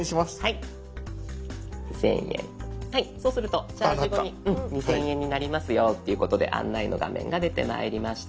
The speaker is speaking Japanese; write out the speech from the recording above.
はいそうするとチャージ後に２，０００円になりますよっていうことで案内の画面が出てまいりました。